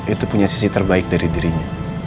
itu punya sisi terbaik dari dirinya